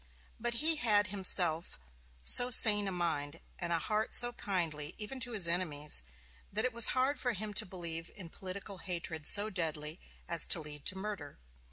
But he had himself so sane a mind, and a heart so kindly, even to his enemies, that it was hard for him to believe in political hatred so deadly as to lead to murder.